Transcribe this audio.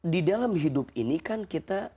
di dalam hidup ini kan kita